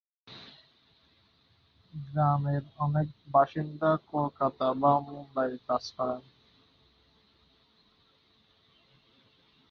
গ্রামের অনেক বাসিন্দা কলকাতা বা মুম্বইয়ে কাজ করেন।